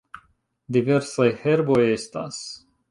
Diversaj herboj estas.